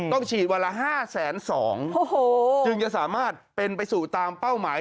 ต้องฉีดวันละ๕๒๐๐จึงจะสามารถเป็นไปสู่ตามเป้าหมาย